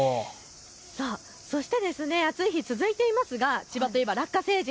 そして暑い日、続いていますが千葉といえばラッカ星人。